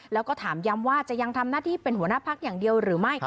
แล้วก็ถามย้ำว่าจะยังทำหน้าที่เป็นหัวหน้าพักอย่างเดียวหรือไม่